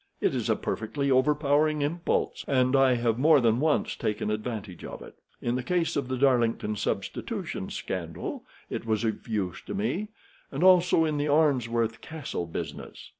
It is a perfectly overpowering impulse, and I have more than once taken advantage of it. In the case of the Darlington Substitution Scandal it was of use to me, and also in the Arnsworth Castle business.